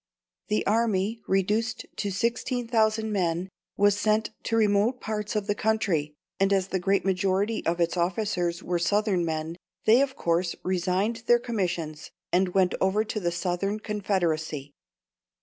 The army, reduced to 16,000 men, was sent to remote parts of the country, and as the great majority of its officers were Southern men, they of course resigned their commissions, and went over to the Southern Confederacy.